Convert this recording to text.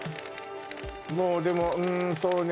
もうでもうんそうね